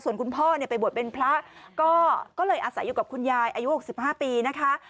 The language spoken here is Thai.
ส่วนคุณพ่อเนี่ยไปบวชเป็นพระก็เลยอาศัยอยู่กับคุณยายอายุ๖๕ปีนะคะ